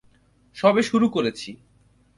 সবে শুরু করেছি।